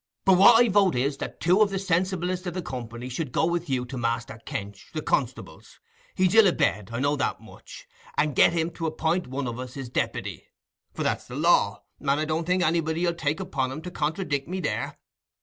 But what I vote is, as two of the sensiblest o' the company should go with you to Master Kench, the constable's—he's ill i' bed, I know that much—and get him to appoint one of us his deppity; for that's the law, and I don't think anybody 'ull take upon him to contradick me there.